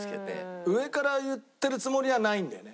上から言ってるつもりはないんだよね